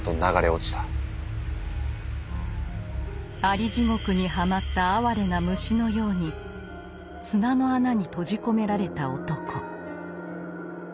アリ地獄にはまった哀れな虫のように砂の穴にとじこめられた男。